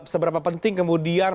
seberapa penting kemudian